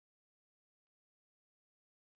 অনেক বিখ্যাত ব্যক্তি এই কারাগারে ছিলেন।